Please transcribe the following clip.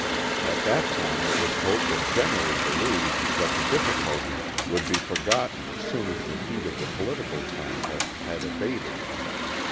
At that time it was hoped and generally believed that the difficulties would be forgotten as soon as the heat of the political contests had abated.